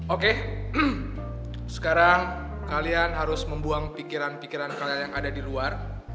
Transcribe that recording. oke sekarang kalian harus membuang pikiran pikiran kalian yang ada di luar